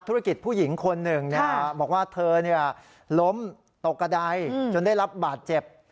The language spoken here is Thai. ธุรกิจผู้หญิงคนหนึ่งบอกว่าเธอล้มตกกระดายจนได้รับบาดเจ็บ